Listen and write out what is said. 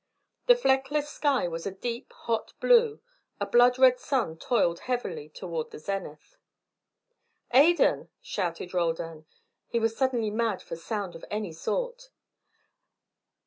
The fleckless sky was a deep, hot blue; a blood red sun toiled heavily toward the zenith. "Adan!" shouted Roldan; he was suddenly mad for sound of any sort.